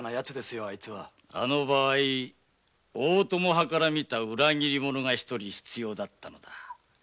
あの場合大友派からみた裏切り者が一人必要だったのだ。